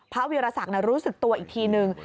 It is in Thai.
พระวิรสักธรรมรู้สึกตัวอีกทีนึง